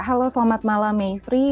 halo selamat malam mayfrie